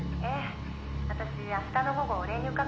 「私明日の午後お礼に伺ってきます」